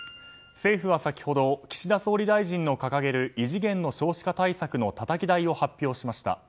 政府は先ほど岸田総理大臣の掲げる異次元の少子化対策のたたき台を発表しました。